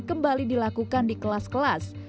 kembali dilakukan di kelas kelas